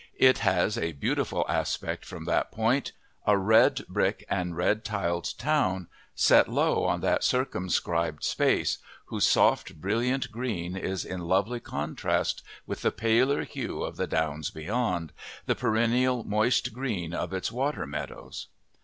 It has a beautiful aspect from that point: a red brick and red tiled town, set low on that circumscribed space, whose soft, brilliant green is in lovely contrast with the paler hue of the downs beyond, the perennial moist green of its water meadows.